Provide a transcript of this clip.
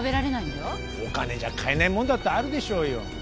お金じゃ買えないもんだってあるでしょうよ。